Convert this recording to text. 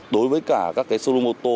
đối với cả các cái showroom ô tô